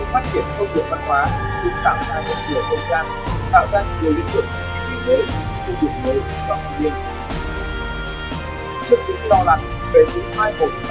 một cách mạng công việc bốn với cốt đoạn tạo truyền hội trở thành cơ hội cho những người trẻ